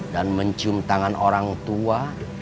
dan mencium tangan orang tua